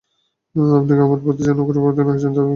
আপনি আমার প্রতি যে অনুগ্রহই অবতীর্ণ করবেন আমি তার কাঙ্গাল।